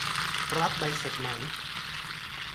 รับใบเสร็จไหม